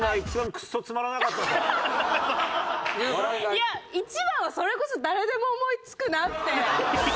いや１番はそれこそ誰でも思い付くなって。